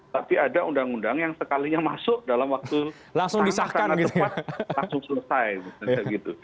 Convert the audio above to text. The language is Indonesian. tapi ada undang undang yang sekalinya masuk dalam waktu langsung selesai